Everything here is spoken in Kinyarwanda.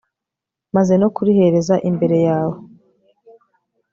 maze no kurihereza imbere yawe